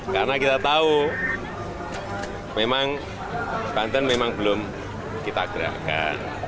karena kita tahu memang banten memang belum kita gerakan